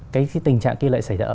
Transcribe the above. cái tình trạng kia lại xảy ra